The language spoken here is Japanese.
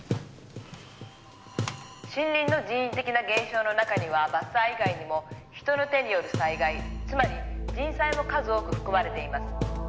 「森林の人為的な減少の中には伐採以外にも人の手による災害つまり人災も数多く含まれています」